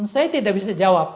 saya tidak bisa jawab